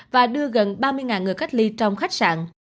và đưa gần ba mươi người cách ly trong khách sạn